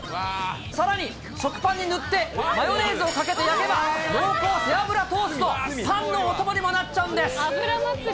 さらに、食パンに塗ってマヨネーズをかけて焼けば、濃厚背脂トースト、パンのお供にもなっちゃうんです。